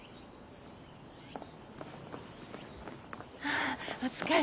あお疲れ。